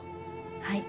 はい。